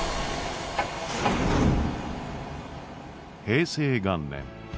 平成元年。